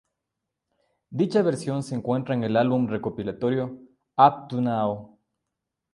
Dicha versión se encuentra en el álbum recopilatorio Up to now.